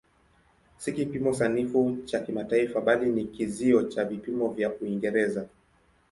Si kipimo sanifu cha kimataifa bali ni kizio cha vipimo vya Uingereza.